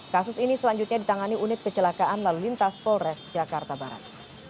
kasus ini selanjutnya ditangani unit kecelakaan lalu lintas polres jakarta barat